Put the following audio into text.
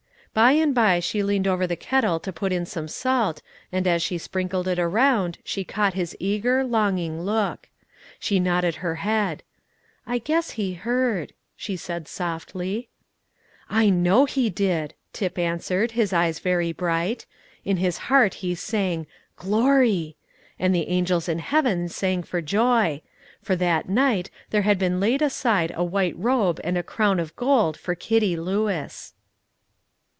By and by she leaned over the kettle to put in some salt, and as she sprinkled it around she caught his eager, longing look. She nodded her head. "I guess He heard," she said softly. "I know He did," Tip answered, his eyes very blight; in his heart he sang "Glory!" And the angels in heaven sang for joy; for that night there had been laid aside a white robe and a crown of gold for Kitty Lewis.